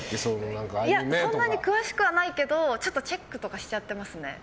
そんなに詳しくはないけどチェックしちゃっていますね。